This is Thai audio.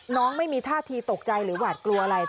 น้องไม่มีท่าทีตกใจหรือว่ากลัวอะไร